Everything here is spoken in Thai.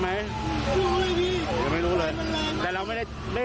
มีความรู้สึกว่าเกิดอะไรขึ้น